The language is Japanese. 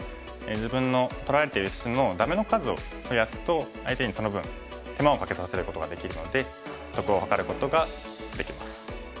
自分の取られてる石のダメの数を増やすと相手にその分手間をかけさせることができるので得を図ることができます。